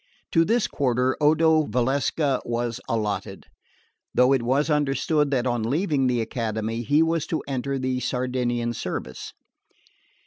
To this quarter Odo Valsecca was allotted; though it was understood that on leaving the Academy he was to enter the Sardinian service.